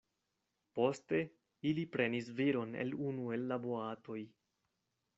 Poste ili prenis viron el unu el la boatoj.